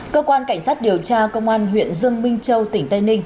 cơ quan cảnh sát điều tra công an huyện dương minh châu tỉnh tây ninh